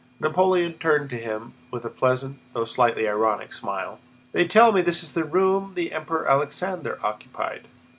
Napoleon turned to him with a pleasant, though slightly ironic, smile. "They tell me this is the room the Emperor Alexander occupied?